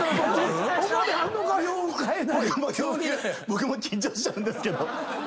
僕も緊張しちゃうんですけど。